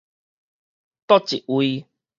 佗一位